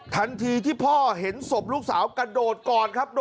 ทันทีที่พ่อเห็นศพลูกสาวกระโดดก่อนครับ